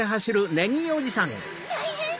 たいへん！